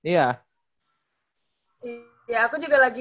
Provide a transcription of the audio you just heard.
ya aku juga lagi